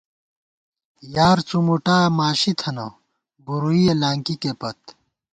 یار څُومُوٹا ماشِی تھنہ، بُورُوئییَہ لانکِکےپت